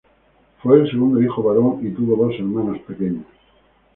Fue el segundo hijo varón y tuvo dos hermanas pequeñas.